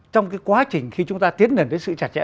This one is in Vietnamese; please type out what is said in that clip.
trong cái quá trình khi chúng ta tiến hành với sự chặt chẽ